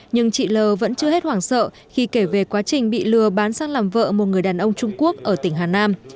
nhưng chị l vẫn chưa hết hoảng sợ khi kể về quá trình bị lừa bán sang làm vợ một người đàn ông trung quốc ở tỉnh hà nam